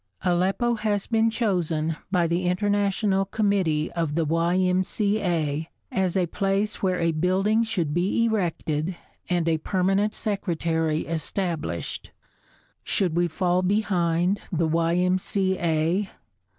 Aleppo has been chosen by the International Committee of the Y.M.C.A. as a place where a building should be erected and a permanent secretary established. Should we fall behind the Y.M.C.A.?